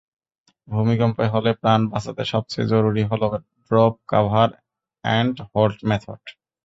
ভূমিকম্প হলে প্রাণ বাঁচাতে সবচেয়ে জরুরি হলো drop, cover and hold method.